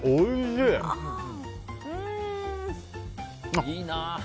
いいな！